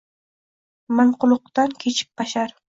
Manguliqdan kechib bashar